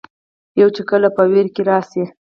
يو چې کله پۀ وېره کښې راشي